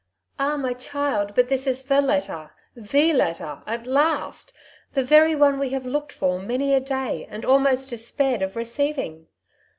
'' Ah, my child ! but this is fhe letter, the letter, at last ! The very one we have looked for many a day, and almost despaired of receiving.